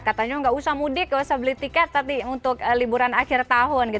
katanya nggak usah mudik nggak usah beli tiket tadi untuk liburan akhir tahun